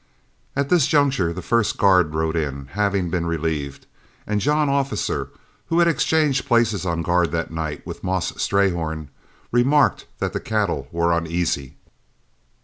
At this juncture the first guard rode in, having been relieved, and John Officer, who had exchanged places on guard that night with Moss Strayhorn, remarked that the cattle were uneasy.